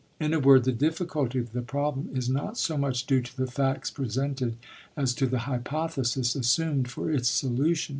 In a word, the difficulty of the problem is not so much due to the facts presented as to the hypothesis assumed for its solution.